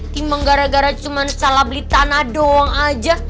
cuma gara gara cuma salah beli tanah doang aja